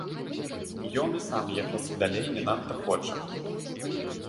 Ён і сам ехаць далей не надта хоча.